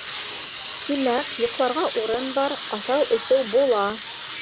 Тимәк, йоҡларға урын бар, ашау-эсеү була.